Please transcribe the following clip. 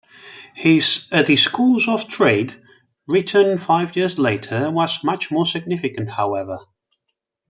His "A Discourse of Trade", written five years later, was much more significant, however.